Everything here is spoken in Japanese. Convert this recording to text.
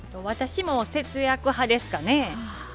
私も節約派ですかね。